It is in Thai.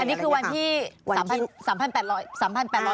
อันนี้คือวันที่๓๘๐๐คนนะคะ